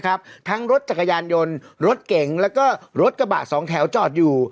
ทั้งรถจักรยานยนต์รถเก่งแล้วก็รถกระบะสองแถวจอดอยู่